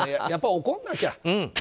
やっぱり怒らなきゃ。